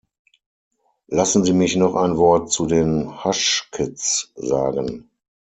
Lassen Sie mich noch ein Wort zu den Hushkits sagen.